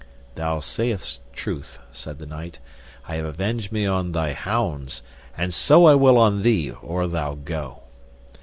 Thou sayest truth, said the knight, I have avenged me on thy hounds, and so I will on thee or thou go.